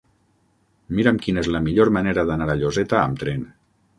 Mira'm quina és la millor manera d'anar a Lloseta amb tren.